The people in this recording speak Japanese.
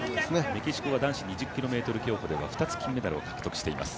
メキシコは男子２０ｋｍ競歩では２つ、金メダルを獲得しています。